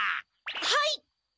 はい！